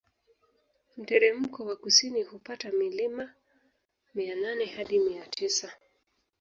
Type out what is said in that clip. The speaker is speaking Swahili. Mteremko wa kusini hupata milimita mia nane hadi mia tisa